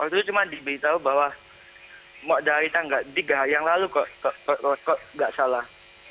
waktu itu cuma diberitahu bahwa mau ada hari itu tidak jadi yang lalu kok tidak salah